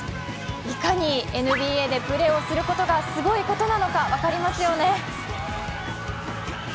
いかにＮＢＡでプレーをすることがすごいことなのか分かりますよね。